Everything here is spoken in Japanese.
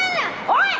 「おい！